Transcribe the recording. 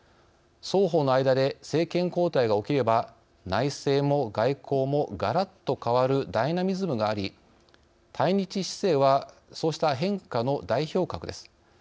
双方の間で政権交代が起きれば内政も外交も、がらっと変わるダイナミズムがあり、対日姿勢はそうした変化の代表格です。